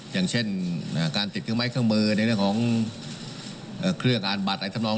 อย่างเช่นการติดเครื่องไม้เครื่องมือในเรื่องของเครื่องอ่านบัตรอะไรทำนอง